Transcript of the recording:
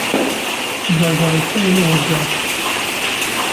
Ǧeṛǧeṛ yessawel i Uheggaṛ.